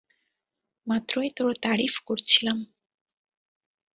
মাত্রই তোর তারিফ করছিলাম।